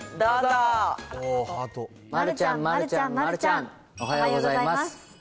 丸ちゃん丸ちゃん丸ちゃん、おはようございます。